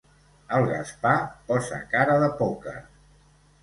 El Gaspar posa cara de pòquer.